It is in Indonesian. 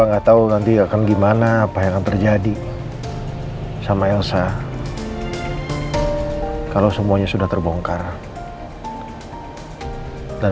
apa nggak tahu nanti akan gimana apa yang terjadi sama elsa kalau semuanya sudah terbongkar dan